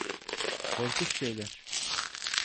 Korkunç şeyler.